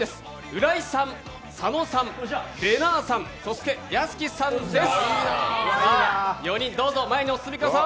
浦井さん、佐野さん、れなぁさん、そして屋敷さんです。